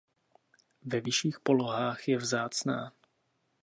Ve vyšších polohách je vzácná.